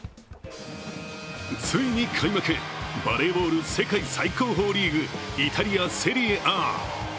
ついに開幕、バレーボール世界最高峰リーグ、イタリア・セリエＡ。